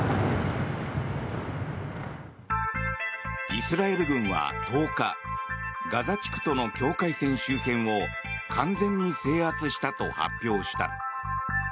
イスラエル軍は１０日ガザ地区との境界線周辺を完全に制圧したと発表した。